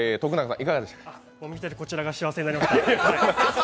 見ているこちらが幸せになりました。